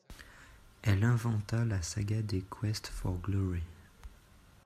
Elle inventa la saga des Quest for Glory.